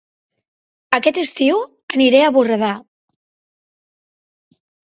Aquest estiu aniré a Borredà